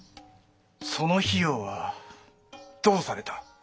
その費用はどうされた？